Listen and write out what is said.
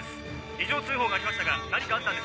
異常通報がありましたが何かあったんですか？